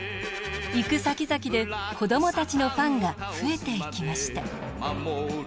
行くさきざきで子供たちのファンが増えていきました。